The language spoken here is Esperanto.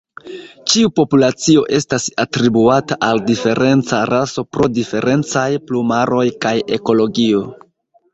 Ĉiu populacio estas atribuata al diferenca raso pro diferencaj plumaroj kaj ekologio.